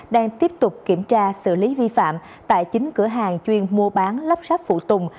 đang tiếp tục kiểm tra xử lý vi phạm tại chín cửa hàng chuyên mua bán lắp sắp phụ tùng